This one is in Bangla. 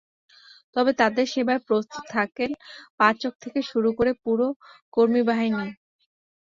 তবে তাঁদের সেবায় প্রস্তুত থাকেন পাচক থেকে শুরু করে পুরো কর্মী বাহিনীই।